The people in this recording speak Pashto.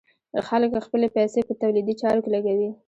خلک خپلې پيسې په تولیدي چارو کې لګوي.